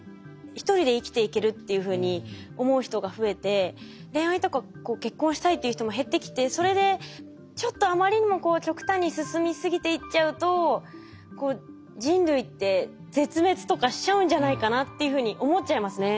一人で生きていけるっていうふうに思う人が増えて恋愛とか結婚したいっていう人も減ってきてそれでちょっとあまりにも極端に進みすぎていっちゃうとっていうふうに思っちゃいますね。